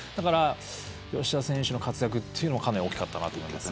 吉田選手の活躍はかなり大きかったと思います。